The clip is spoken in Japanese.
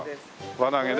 輪投げね。